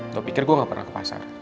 kau pikir gue gak pernah ke pasar